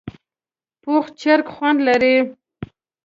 پوخ چرګ خوند لري